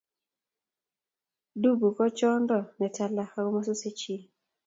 dubu ko chonto ne tala ako mosusei chii